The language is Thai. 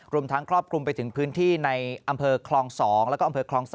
รวมทั้งครอบคลุมไปถึงพื้นที่ในอำเภอคลอง๒แล้วก็อำเภอคลอง๓